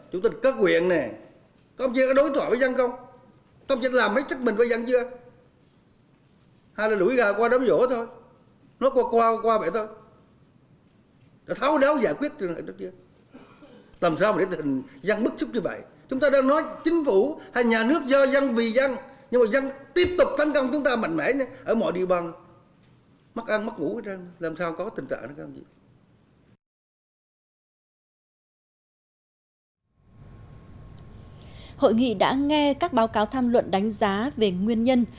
hội nghị đã nghe các báo cáo tham luận đánh giá về nguyên nhân